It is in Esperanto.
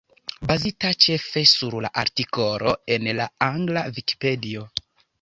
Bazita ĉefe sur la artikolo en la angla Vikipedio.